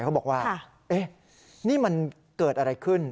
เขาบอกว่านี่มันเกิดอะไรขึ้น